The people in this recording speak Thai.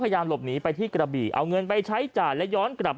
หลบหนีไปที่กระบี่เอาเงินไปใช้จ่ายและย้อนกลับ